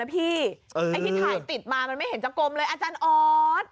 ไอ้ที่ถ่ายติดมามันไม่เห็นจะกลมเลยอาจารย์ออส